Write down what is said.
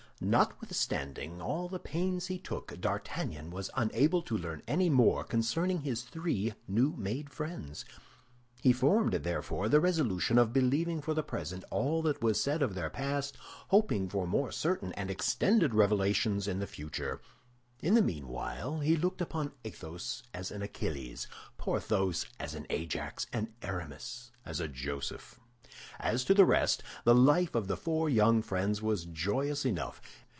Notwithstanding all the pains he took, D'Artagnan was unable to learn any more concerning his three new made friends. He formed, therefore, the resolution of believing for the present all that was said of their past, hoping for more certain and extended revelations in the future. In the meanwhile, he looked upon Athos as an Achilles, Porthos as an Ajax, and Aramis as a Joseph. As to the rest, the life of the four young friends was joyous enough.